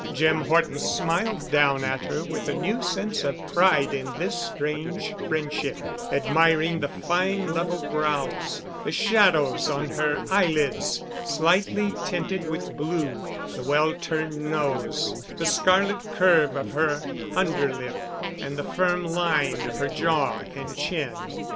Jim Horton smiled down at her with a new sense of pride in this strange friendship, admiring the fine level brows, the shadows on her eye lids, slightly tinted with blue, the well turned nose, the scarlet curve of her under lip and the firm line of her jaw and chin.